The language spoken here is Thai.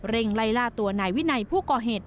ไล่ล่าตัวนายวินัยผู้ก่อเหตุ